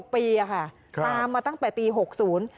๖ปีค่ะตามมาตั้งแต่ปี๖ศูนย์